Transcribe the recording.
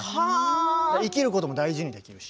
生きることも大事にできるし。